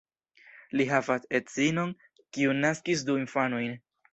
Li havas edzinon, kiu naskis du infanojn.